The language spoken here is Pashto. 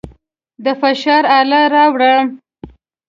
د فشار اله راوړه.